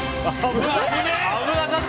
危なかった！